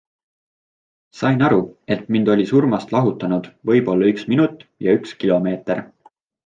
Sain aru, et mind oli surmast lahutanud võib-olla üks minut ja üks kilomeeter.